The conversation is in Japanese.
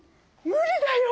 無理だよ！